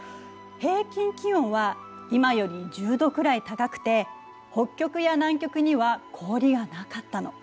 平均気温は今より１０度くらい高くて北極や南極には氷がなかったの。